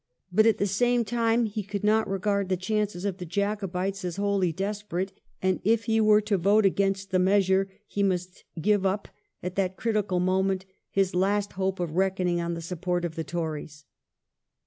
But, at the same time, he could not regard the chances of the Jacobites as wholly desperate, and if he were to vote against the measure he must give up, at that critical moment, his last hope of reckoning on the support of the Tories.